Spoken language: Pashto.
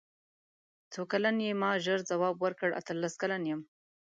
څو کلن یې ما ژر ځواب ورکړ اتلس کلن یم.